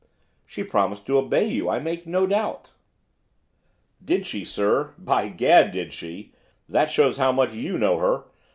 'She promised to obey you, I make no doubt.' 'Did she, sir! By gad, did she! That shows how much you know her!